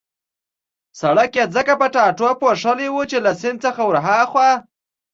سړک يې ځکه په ټانټو پوښلی وو چې له سیند څخه ورهاخوا.